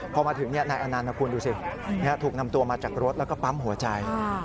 พอมาถึงนายอนันต์นะคุณดูสิถูกนำตัวมาจากรถแล้วก็ปั๊มหัวใจ